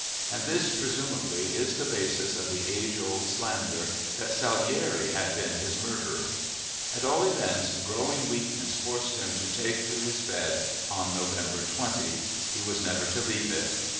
And this, presumably, is the basis of the age old slander that Salieri had been his murderer! At all events growing weakness forced him to take to his bed on November 20. He was never to leave it.